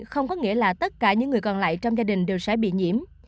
không có nghĩa là tất cả những người còn lại trong gia đình đều sẽ bị nhiễm